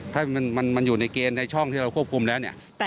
ถ้ามันอยู่ในเกณฑ์ในช่องที่เราควบคุมแล้วเนี่ย